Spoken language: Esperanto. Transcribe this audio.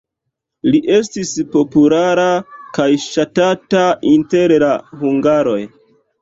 Li estis populara kaj ŝatata inter la hungaroj.